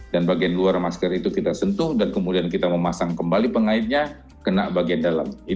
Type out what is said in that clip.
dan bagian luar masker itu kita sentuh dan kemudian kita memasang kembali pengairnya kena bagian dalam